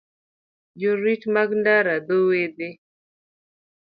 Jorit mag ndara, dho wedhe,